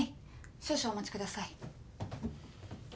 少々お待ちください。